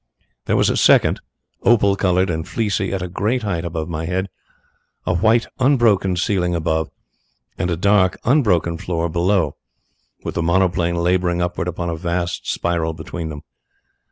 There was a second opal coloured and fleecy at a great height above my head, a white, unbroken ceiling above, and a dark, unbroken floor below, with the monoplane labouring upwards upon a vast spiral between them.